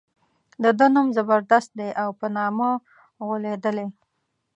د ده نوم زبردست دی او په نامه غولېدلی.